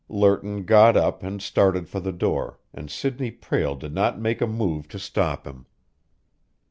Lerton got up and started for the door, and Sidney Prale did not make a move to stop him.